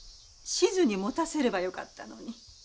しづに持たせればよかったのに。